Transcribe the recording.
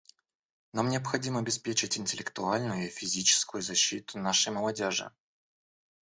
Нам необходимо обеспечить интеллектуальную и физическую защиту нашей молодежи.